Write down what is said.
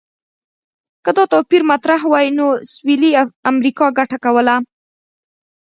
که دا توپیر مطرح وای، نو سویلي امریکا ګټه کوله.